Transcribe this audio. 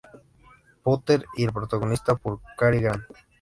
Potter y protagonizada por Cary Grant.